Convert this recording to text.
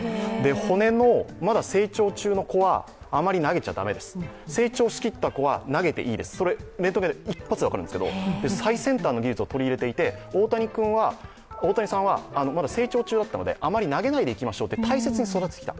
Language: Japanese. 骨のまだ成長中の子は、あまり投げちゃ駄目です、成長しきった子は投げていいですそれってレントゲンで一発で分かるんですが、最先端の技術を取り入れていて大谷さんはまだ成長中だったので、あまり投げないでいきましょうと大切にしてきた。